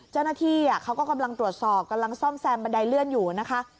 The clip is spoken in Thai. เจ้าหน้าที่เขาก็กำลังตรวจสอบกำลังซ่อมแซมบันไดเลื่อนอยู่นะคะ